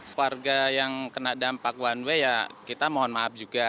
warga yang kena dampak one way ya kita mohon maaf juga